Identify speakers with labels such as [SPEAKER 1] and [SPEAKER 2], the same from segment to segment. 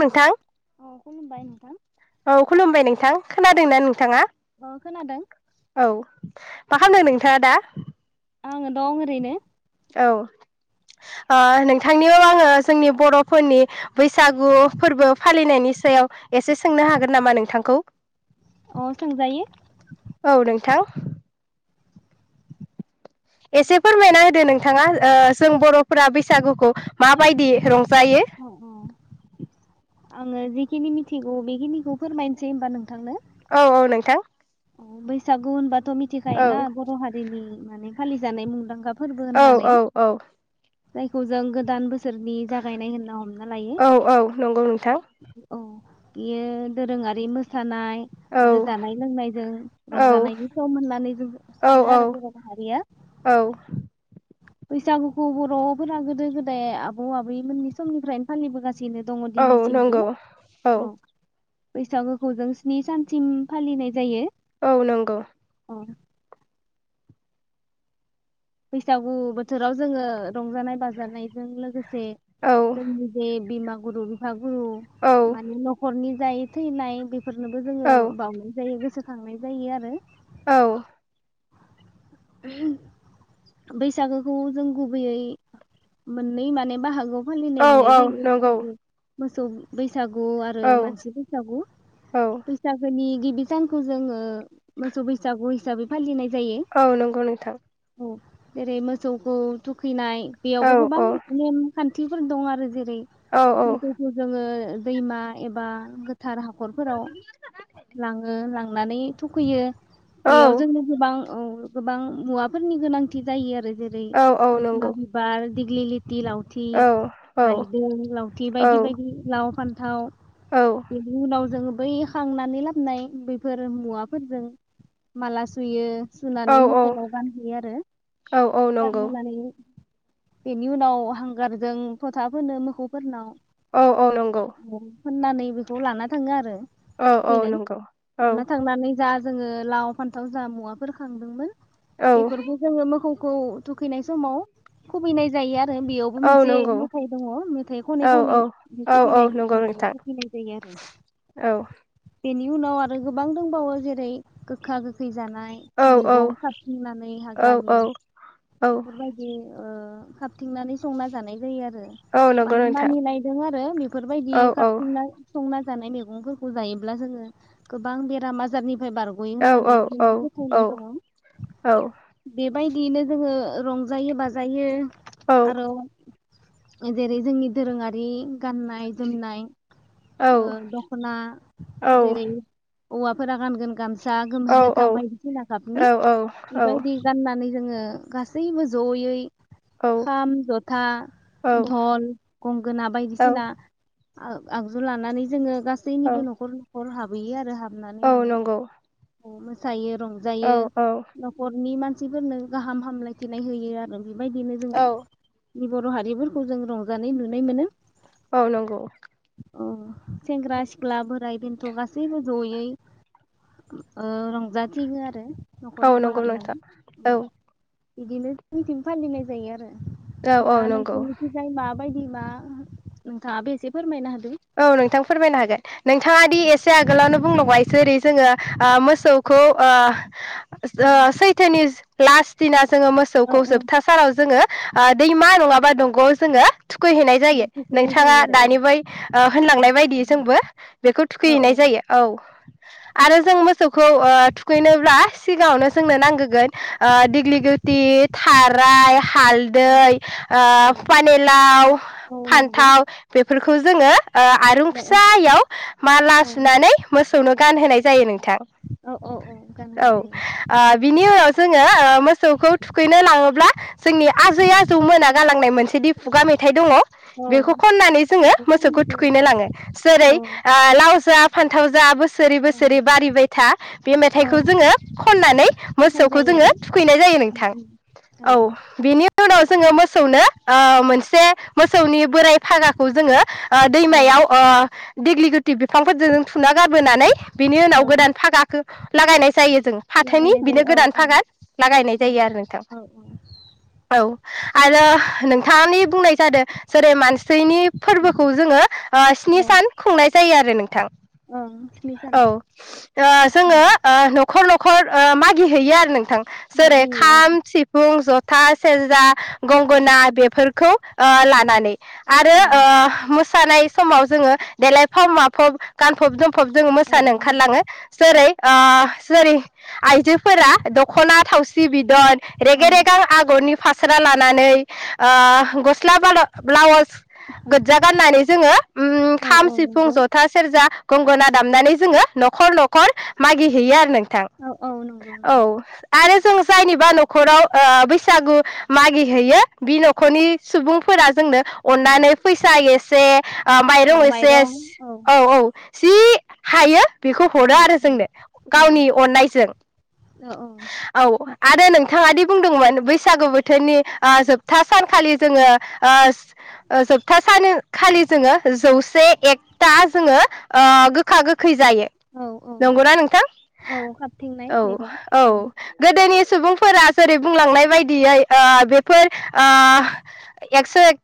[SPEAKER 1] नोंथां
[SPEAKER 2] अ खुलुमबाय नोंथां।
[SPEAKER 1] औ खुलुमबाय नोंथां। खोनादोंना नोंथाङा?
[SPEAKER 2] अ खोनादों।
[SPEAKER 1] औ मा खामदों नोंथांङा दा?
[SPEAKER 2] आंङो दं ओरैनो।
[SPEAKER 1] औ ओ नोंथांनियाव आंङो जोंनि बर'फोरनि बैसागु फोरबो फालिनायनि सायाव एसे सोंनो हागोन नामा नोंथांखौ?
[SPEAKER 2] अ सोंजायो।
[SPEAKER 1] औ नोंथां एसे फोरमायना होदो नोंथांङा ओ जों बर'फोरा बैसागुखौ माबायदि रंज
[SPEAKER 2] उम्म उम्म आंङो जिखिनि मिथिगौ बेखिनिखौ फोरमायनोसै होनबा नोंथांनो।
[SPEAKER 1] औ औ नोंथां।
[SPEAKER 2] अ बैसागु होनबा थ मिथिखायो
[SPEAKER 1] औ
[SPEAKER 2] ना बर' हारिनि माने फालि जानाय मुंदांखा फोरबो
[SPEAKER 1] औ
[SPEAKER 2] होननानै
[SPEAKER 1] औ औ
[SPEAKER 2] जायखौ जों गोदान बोसोरनि जागायनाय होनना हम
[SPEAKER 1] औ औ नंगौ नोंथां।
[SPEAKER 2] औ बियो दोरोंङारि मोसानाय
[SPEAKER 1] औ
[SPEAKER 2] आरो जानाय लोंनाय जों
[SPEAKER 1] औ
[SPEAKER 2] रंजानायनि सम होननानै जों
[SPEAKER 1] औ
[SPEAKER 2] सानो आरो बर माहारिया।
[SPEAKER 1] औ
[SPEAKER 2] बैसागुखौ बर'फोरा गोदो गोदाय आबौ आबै मोनै समनिफ्रायनो फालिबोगासि नो दङ
[SPEAKER 1] औ
[SPEAKER 2] दिनैसिमबो
[SPEAKER 1] नंगौ
[SPEAKER 2] औ। बैसागोखौ जों स्नि सानसिम फालिनाय जायो।
[SPEAKER 1] औ नंगौ।
[SPEAKER 2] ओं। बैसागु बोथोराव जोङो रंजानाय बाजानायजों लोगो से
[SPEAKER 1] औ
[SPEAKER 2] जोंनि बे बिमा- गुरु बिफां। गु
[SPEAKER 1] औ
[SPEAKER 2] माने नखरनि जायो थैनाय बिब फोरनोबो जोङो
[SPEAKER 1] औ
[SPEAKER 2] बावनाय जायो गोसो थांनाय जायो आरो
[SPEAKER 1] औ
[SPEAKER 2] बैसागोखौ जों गुबैयै मोननै माने बाहागोआव
[SPEAKER 1] औ
[SPEAKER 2] फालिनाय नुनाय
[SPEAKER 1] नंगौ
[SPEAKER 2] जायो। मोसौ बै सागु आरो
[SPEAKER 1] औ
[SPEAKER 2] मानसि बैसागु
[SPEAKER 1] औ
[SPEAKER 2] बैसागोनि गिबि सानखौ जोङो मोसौ बैसागु हिसाबै फालिनाय जायो।
[SPEAKER 1] औ नंगौ नोंथां।
[SPEAKER 2] औ जेरै मोसौखौ थुखैनाय
[SPEAKER 1] औ
[SPEAKER 2] बेयावबो गोबां
[SPEAKER 1] औ
[SPEAKER 2] नेमखान थिफोर दं आरो जे रै
[SPEAKER 1] औ औ
[SPEAKER 2] मोसौखौ जोङो दैमा एबा गो थार हाखरफोराव लाङो लां संनानै थुखैयो। बेयाव
[SPEAKER 1] औ
[SPEAKER 2] जोनो गोबां औ गोबां मुवाफोरनि गोनांथि जायो आरो जेरै
[SPEAKER 1] औ औ
[SPEAKER 2] मोखोना
[SPEAKER 1] नंगौ
[SPEAKER 2] बिबार दिगिलिग। थि लावथि
[SPEAKER 1] औ औ
[SPEAKER 2] रायदों लावथि
[SPEAKER 1] औ
[SPEAKER 2] बायदि बायदि लाव फान थाव
[SPEAKER 1] औ
[SPEAKER 2] बेनि उनाव जोङो बै हांनानै लाबोननाय बैफोर मुवाफोरजों माला सुयो सु मोखौनाव गानहैयो आरो
[SPEAKER 1] औ औ नंगौ
[SPEAKER 2] गानहानै बेनि उनाव हांगारजों फोथा फोनो मोसौफोरनाव
[SPEAKER 1] औ औ नंगौ।
[SPEAKER 2] फोननानै बेखौ लाना थाङो आरो
[SPEAKER 1] औ औ
[SPEAKER 2] थुखैनो
[SPEAKER 1] नंगौ औ
[SPEAKER 2] लाना थांनानै जा जोङो लाव फान्थाव जा मुवाफोर खाङो दोंमोन।
[SPEAKER 1] औ
[SPEAKER 2] बेेफोरखौ जोङो माोसौखौ खौ थुखैनाय समाव खुबैनाय जायो आरो आरो बेयावबो मोनसे
[SPEAKER 1] नंगौ
[SPEAKER 2] मेथाइ दङ मेथाइ
[SPEAKER 1] औ
[SPEAKER 2] खनै खनै
[SPEAKER 1] औ औ
[SPEAKER 2] खनाय
[SPEAKER 1] नंगौ नोंथां
[SPEAKER 2] खुबैनाय जायो आरो
[SPEAKER 1] औ
[SPEAKER 2] बेनि उनाव आरो गोबां दंबावो जेरै गोखा गोखै जानाय
[SPEAKER 1] औ
[SPEAKER 2] मैगं खाबथिंनानै
[SPEAKER 1] औ
[SPEAKER 2] हाग्रानि
[SPEAKER 1] औ
[SPEAKER 2] बेफोरबायदि ओ खाबथिंनानै संना जानाय जायो आरो।
[SPEAKER 1] औ नंगौ
[SPEAKER 2] माने
[SPEAKER 1] नोंथां
[SPEAKER 2] मानिनाय दं आरो बेफोरबायदि
[SPEAKER 1] औ औ
[SPEAKER 2] खाबथिंना संना नानै मैगंफोरखौ जायोब्ला जोङो गोबां बेराम आजारनि फ्राय बारगयो
[SPEAKER 1] औ औ
[SPEAKER 2] होननानै जों
[SPEAKER 1] औ
[SPEAKER 2] फोथायनाय दङ
[SPEAKER 1] औ
[SPEAKER 2] बेबायदियैनो जोङो रंजायो बाजायो। आरो जेरै जोंनि दोरोङारि गाननाय जोमनाय ओ दखना जेरै हौवाफोरा गानगोन गामसा सा गोमो गोथां बायदिसिना गाबनि बेबायदि गाननानै जोङो गासैबो जयै
[SPEAKER 1] औ
[SPEAKER 2] खाम जथा
[SPEAKER 1] औ
[SPEAKER 2] टल गंगोना
[SPEAKER 1] औ
[SPEAKER 2] बायदिसिना आग-आगजु लानानै जोङो गासैनिबो
[SPEAKER 1] औ
[SPEAKER 2] नखर नखर हाब बोयो आरो हाब हाबनानै
[SPEAKER 1] औ
[SPEAKER 2] माने
[SPEAKER 1] नंगौ
[SPEAKER 2] मोसायो रं
[SPEAKER 1] औ
[SPEAKER 2] जायो
[SPEAKER 1] औ
[SPEAKER 2] नखरनि मान मानसिफोरनो गाहाम हामलायथिनाय होयो आरो। बेबायदिनो जोंङो
[SPEAKER 1] औ
[SPEAKER 2] जोंनि बर' हारिफोरखौ जों रंजानाय नुनाय मोनो।
[SPEAKER 1] औ नंगौ।
[SPEAKER 2] अ सेंग्रा सिख्ला बोराइ बेन्थ गासैबो जयै उम ओ रंजाथिंङो आरो। बे
[SPEAKER 1] औ नंगौ नोंथां औ।
[SPEAKER 2] बिदिनो जोंनिथिं फालिनाय जायो आरो।
[SPEAKER 1] औ औ
[SPEAKER 2] दा
[SPEAKER 1] नंगौ
[SPEAKER 2] नोंसोरनि थिंजाय माबायदि? दि मा नोंथाङाबो एसे फोरमायना हो।
[SPEAKER 1] औ नोंथां फोरमायनो हागोन नोंथाङा दि एसे आगोलावनो बुंलांबाय एसे ओरै जोङो ओ मोसौखौ ओ
[SPEAKER 2] औ
[SPEAKER 1] ओ सैथोनि लास दिना जोङो
[SPEAKER 2] औ
[SPEAKER 1] मोसौखौ
[SPEAKER 2] औ
[SPEAKER 1] जोबथा सानाव जोङो ओ दैमा नङाबा दंग'आव जोङो थुखैहैनाय जायो।
[SPEAKER 2] थुखैनाय
[SPEAKER 1] नोंथाङा
[SPEAKER 2] जायो
[SPEAKER 1] दानि बै ओ होनलांनाय बायदि
[SPEAKER 2] आरो
[SPEAKER 1] जोंबो बेखौ
[SPEAKER 2] औ
[SPEAKER 1] थुखैहैनाय जायो औ। आरो जों मोस मोसौखौ ओ थुखैनोब्ला सिगाङावनो जोंनो नांगोगोन ओ दिग्लिगुथि, थाराइ,
[SPEAKER 2] आरो
[SPEAKER 1] हालदै, ओ पानिलाव,
[SPEAKER 2] औ नंगौ
[SPEAKER 1] फान्थाव बेफोर खौ जोङो ओ आरुं
[SPEAKER 2] औ
[SPEAKER 1] फिसायाव माला सुनानै मोसौनो गानहोनाय जायो नों थां
[SPEAKER 2] औ औ औ गान
[SPEAKER 1] औ
[SPEAKER 2] होनाय
[SPEAKER 1] ओ
[SPEAKER 2] जायो
[SPEAKER 1] बिनि उनाव जोङो ओ मोसौखौ थुखैनो लाङोब्ला जोंनि
[SPEAKER 2] औ
[SPEAKER 1] आजै आजौ मोना गालांनाय मोनसेदि खुगा मेथाइ दङ
[SPEAKER 2] औ
[SPEAKER 1] बेखौ खननानै जोङो
[SPEAKER 2] बेखौ
[SPEAKER 1] मोसौखौ
[SPEAKER 2] फाननाय जायो
[SPEAKER 1] थुखैनो लाङो जेरै
[SPEAKER 2] औ
[SPEAKER 1] ओ लाव जा फान्थाव जा बोसो सोरै
[SPEAKER 2] औ
[SPEAKER 1] बोसोरै
[SPEAKER 2] औ फाननाय जायो आरो औ
[SPEAKER 1] ओ
[SPEAKER 2] औ
[SPEAKER 1] दैमायाव ओ थि बिफांफोरजों थुना गारबोना
[SPEAKER 2] औ
[SPEAKER 1] लागायनाय जायो जों फाथोनि
[SPEAKER 2] लागायनाय
[SPEAKER 1] बिनो
[SPEAKER 2] जायो
[SPEAKER 1] गोदान
[SPEAKER 2] औ
[SPEAKER 1] फागान लागायनाय जायो आरो नोंथां।
[SPEAKER 2] औ
[SPEAKER 1] औ आरो नोंथादि बुंनाय जादों जेरै मानसिनि [inaudible]
[SPEAKER 2] औ
[SPEAKER 1] थां।
[SPEAKER 2] ओं
[SPEAKER 1] औ
[SPEAKER 2] स्नि सान
[SPEAKER 1] ओ खर नखर ओ
[SPEAKER 2] मागियो औ
[SPEAKER 1] थां
[SPEAKER 2] औ
[SPEAKER 1] थाज सेरजा,
[SPEAKER 2] औ
[SPEAKER 1] गं ओ मोसानाय समाव जोङो देलायफब गानफब जोमफब जोङो
[SPEAKER 2] औ
[SPEAKER 1] मोसानो ओंखारलां ओ जिबिद
[SPEAKER 2] औ
[SPEAKER 1] सोरबा लानानै ओ [inaudible] गंगोना
[SPEAKER 2] औ औ नंगौ
[SPEAKER 1] दामनाय थां
[SPEAKER 2] औ औ नंगौ
[SPEAKER 1] औ
[SPEAKER 2] नंगौ
[SPEAKER 1] जों जायनिबा नख
[SPEAKER 2] औ
[SPEAKER 1] अनना
[SPEAKER 2] बा माइरं औ
[SPEAKER 1] जि हायो बेखौ हरा आरो
[SPEAKER 2] औ
[SPEAKER 1] जोंनो
[SPEAKER 2] औ
[SPEAKER 1] गावनि
[SPEAKER 2] औ
[SPEAKER 1] आरो नोंथाङादि बुंदोंमोन बैसागु बोथोरनि ओ जोबथा सानखालि ओ जोबथा सानो खालि जोङो जौसे एक जायो
[SPEAKER 2] औ औ
[SPEAKER 1] नंगौना नोंथां
[SPEAKER 2] औ खाबथिंनाय
[SPEAKER 1] औ
[SPEAKER 2] मैगं
[SPEAKER 1] सुबुंफोरा जेरै बुंलांनाय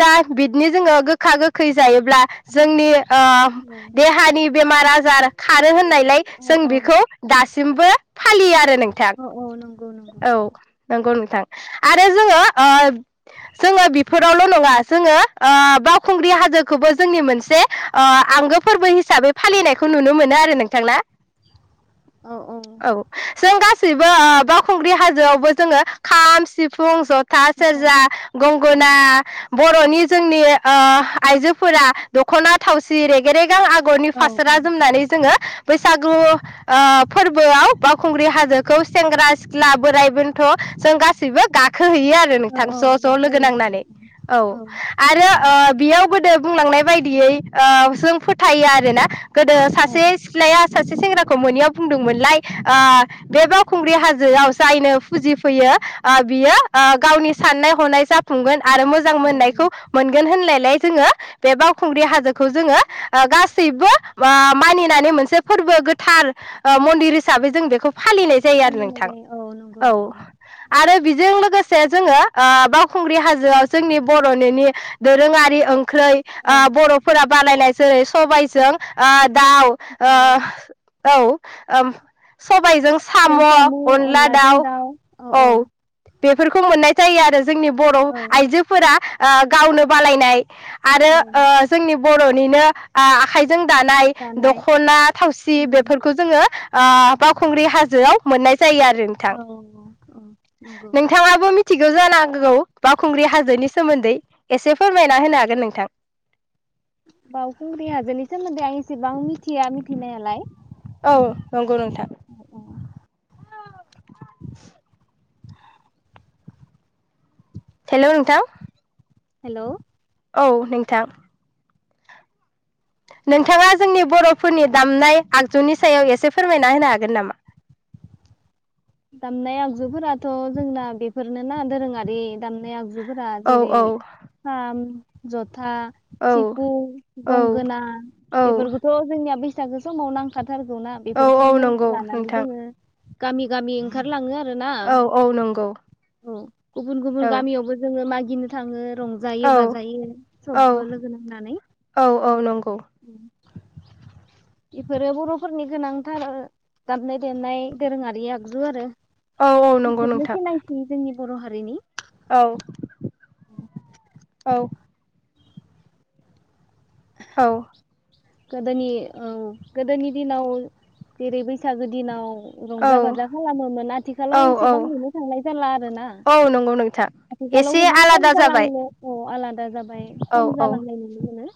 [SPEAKER 1] ता बिदनो जोङो गोखा गोखै जायोब्ला जोंनि ओ
[SPEAKER 2] औ
[SPEAKER 1] देहानि बेमार आ जार खारो होननाय लाय
[SPEAKER 2] औ
[SPEAKER 1] जों
[SPEAKER 2] औ
[SPEAKER 1] बेखौ दास सिमबो फालियो आरो नोंथां
[SPEAKER 2] औ औ नंगौ नंगौ
[SPEAKER 1] औ नंगौ नों थां आरो जोङो ओ जोङो बिफोरावल' नङा जोङो ओ बाउखुंग्रि हाजोखोबो जोंनि मोनसे ओ आंगो फोर्बो हिसाबै फालिनायखौ नुनो मोनो आरो नोंथां ना? औ जों गा सिबो ओ बावखुंग्रि हाजोआवबो जोङो खाम सिफुं ज था
[SPEAKER 2] खोथा
[SPEAKER 1] सेरजा
[SPEAKER 2] औ
[SPEAKER 1] गंगना बर'नि जोंनि ओ आइजोफोरा दख'ना थावसि रेगेरेगां आगरनि
[SPEAKER 2] औ औ
[SPEAKER 1] फासोरा जोमनानै जोङो बैसागु ओ फोर्बोआव बाउखुंग्रि हाजोखौ सेंग्रा सिख्ला बोराइ बेन थ जों गासैबो गाखोहैयो आरो
[SPEAKER 2] औ
[SPEAKER 1] नोंथां
[SPEAKER 2] औ
[SPEAKER 1] ज' ज' लोगो
[SPEAKER 2] जाफैयो औ
[SPEAKER 1] नांनानै। औ आरो
[SPEAKER 2] नंगौ
[SPEAKER 1] ओ बियावबो [unintelligible] बुंलांनाय बायदियै ओ जों फोथायो आरोना गोदो
[SPEAKER 2] औ
[SPEAKER 1] सासे सिख्लाया सासे सेंग्राखौ मोनैयाव बुंदोंमोनलाय ओ बे बाउ खुंग्रि हाजोआव जायनो फुजिफैयो ओ बियो ओ गावनि साननाय हनाय जाफुंगोन आरो मोजां
[SPEAKER 2] औ
[SPEAKER 1] मोननायखौ मोनगोन होनलायलाय जोङो बे बाउखुंग्रि हाजो जोखौ जोङो ओ गा सैबो ओ मानिनानै मोनसे फोरबो गोथार ओ मन्दिर हिसाबै जों बेखौ फालिनाय जायो आरो
[SPEAKER 2] फालिनाय
[SPEAKER 1] नोंथां
[SPEAKER 2] जायो नंगौ
[SPEAKER 1] औ
[SPEAKER 2] नंगौ
[SPEAKER 1] आरो बिजों लोगोसे जोङो ओ बाउखुंग्रि हाजोआव जोंनि बर'नेनि दोरोङारि ओं ख्रै
[SPEAKER 2] औ
[SPEAKER 1] ओ बर'फोरा बानायनाय जेरै सबाइजों ओ दाउ ओ
[SPEAKER 2] दाउ
[SPEAKER 1] औ ओम सबाइजों साम' अनला दाउ औ बेफोरखौ मोननाय जायो आरो जोंनि बर'
[SPEAKER 2] औ
[SPEAKER 1] फोरा ओ गावनो बालायनाय। आरो
[SPEAKER 2] औ
[SPEAKER 1] ओ जोंनि बर'निनो आ आखाय जों दानाय
[SPEAKER 2] जानाय
[SPEAKER 1] दखना थावसि
[SPEAKER 2] उम
[SPEAKER 1] बेफोरखौ जोङो बावखुंग्रि हाजोआव मोननाय जायो आरो नोंथां
[SPEAKER 2] औ औ नंगौ।
[SPEAKER 1] थिगौ जानांगौ बाव एसे फोरमायना होनो हागोन नोंथां।
[SPEAKER 2] बावखुंग्रि हाजोनि सोमोन्दै आं इसेबां मिथिया मिथिनायालाय।
[SPEAKER 1] औ नंगौ नोंथां।
[SPEAKER 2] हेलौ
[SPEAKER 1] [unintelligible] हेलौ नोंथां।
[SPEAKER 2] हेलौ।
[SPEAKER 1] औ नोंथां। नोंथाङा जोंनि बरफोरनि दामनाय आगजुनि सायाव एसे फोरमायना होनो हागोन नामा?
[SPEAKER 2] दामनाय आगजुफोराथ जोंना बेफोरनोना दोरोङारि दामनाय आगजु फोरा
[SPEAKER 1] औ
[SPEAKER 2] जेरै
[SPEAKER 1] औ
[SPEAKER 2] खाम ज था
[SPEAKER 1] औ
[SPEAKER 2] सिफुं
[SPEAKER 1] औ
[SPEAKER 2] गंगोना
[SPEAKER 1] औ
[SPEAKER 2] बेफोरखौथ जोंनिया बेसे बैसागो समाव नांंखा थ थारगौ ना
[SPEAKER 1] औ औ
[SPEAKER 2] बेफोरखौनो
[SPEAKER 1] नंगौ
[SPEAKER 2] लानानै
[SPEAKER 1] नोंथां
[SPEAKER 2] जोङो गामि गामि ओंखारलाङो आरो ना
[SPEAKER 1] औ औ नंगौ
[SPEAKER 2] औ। गुबुन गुबुन
[SPEAKER 1] औ
[SPEAKER 2] गामियावबो जोङो मागि गिनो थाङो रंजायो
[SPEAKER 1] औ
[SPEAKER 2] बाजायो
[SPEAKER 1] औ
[SPEAKER 2] सबबो लोगो नांनानै।
[SPEAKER 1] औ औ नंगौ
[SPEAKER 2] बेफोरो बरफोरनि गोनांथार दामनाय देनाय दोरोङारि आग जु आरो।
[SPEAKER 1] औ औ नंगौ
[SPEAKER 2] बेफोरनो
[SPEAKER 1] नोंथां।
[SPEAKER 2] सिनायथि जोंनि बर हारिनि
[SPEAKER 1] औ औ। औ।
[SPEAKER 2] गोदोनि औ गोदोनि दिनाव जेरै बैसागो दिनाव रंजा बाजा
[SPEAKER 1] औ
[SPEAKER 2] खालामोमोन आथिखालाव
[SPEAKER 1] औ औ
[SPEAKER 2] एसेबां नुनो थांनाय जाला आरोना
[SPEAKER 1] औ नंगौ नोंथां
[SPEAKER 2] आथिखालाव
[SPEAKER 1] एसे
[SPEAKER 2] गोबां खम
[SPEAKER 1] आलादा जाबाय
[SPEAKER 2] जालांनो औ आलादा जाबाय
[SPEAKER 1] औ
[SPEAKER 2] खम
[SPEAKER 1] औ
[SPEAKER 2] जालांनाय नुनो मोनो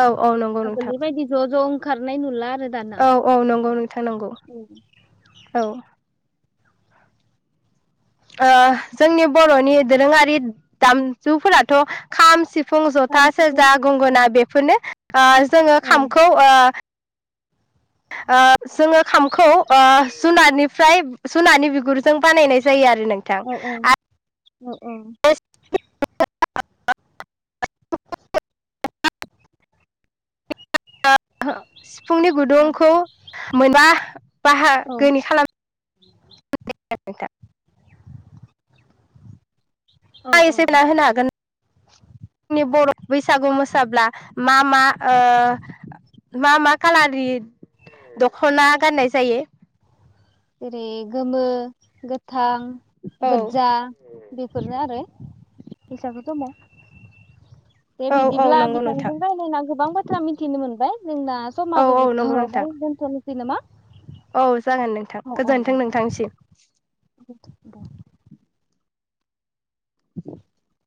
[SPEAKER 1] औ औ नंगौ नोंथां
[SPEAKER 2] आगोलनि ज ज ओंखारनाय नुला आरो दाना
[SPEAKER 1] औ औ नंगौ नोंथां नांगौ
[SPEAKER 2] औ
[SPEAKER 1] औ। ओ जोंनि बरनि दोरोङारि दामजुफोराथ खाम सि फुं जथा
[SPEAKER 2] खाम सिफुं
[SPEAKER 1] सेरजा गंगोना बेफोरनो। आ जोङो
[SPEAKER 2] औ
[SPEAKER 1] खामखौ आ ओ जोङो खामखौ ओ जुननिफ्राय जुनारनि बिगुरजों बानायनाय जायो आ रो नोंथां आ
[SPEAKER 2] अ ओं
[SPEAKER 1] [inaudible] ओहो सिफुंनि
[SPEAKER 2] औ
[SPEAKER 1] गुदुंखौ मोनाबा
[SPEAKER 2] औ
[SPEAKER 1] बाहागोनि खालाम [inaudible]
[SPEAKER 2] औ
[SPEAKER 1] ङा
[SPEAKER 2] औ
[SPEAKER 1] एसे [inaudible] होनो हागोन [inaudible] जोंनि बर बैसागु मोसाब्ला मा मा ओ मा मा खालारनि दखना गाननाय जायो?
[SPEAKER 2] जरै गोमो गोथां
[SPEAKER 1] औ
[SPEAKER 2] गोज्जा बेफोरनो आरो [unintelligible] दे
[SPEAKER 1] औ औ
[SPEAKER 2] बिदिब्ला
[SPEAKER 1] नंगौ नोंथां
[SPEAKER 2] बिथांजों रायज्लायना गोबां बाथ्रा मिथिनो मोनबाय। जोंना
[SPEAKER 1] औ
[SPEAKER 2] समाबो
[SPEAKER 1] औ नंगौ नोंथां
[SPEAKER 2] जोबथ'बाय दोनथनो सै नामा?
[SPEAKER 1] औ जागोन नोंथां
[SPEAKER 2] औ औ दे।
[SPEAKER 1] गोजोनथों नोंथांसिम।
[SPEAKER 2] दे
[SPEAKER 1] ज [unintelligible]